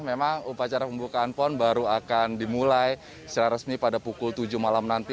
memang upacara pembukaan pon baru akan dimulai secara resmi pada pukul tujuh malam nanti